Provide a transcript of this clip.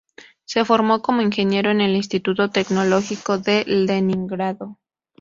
Se formó como ingeniero en el Instituto Tecnológico de Leningrado.